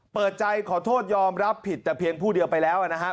เปิดใจขอโทษยอมรับผิดแต่เพียงผู้เดียวไปแล้วนะครับ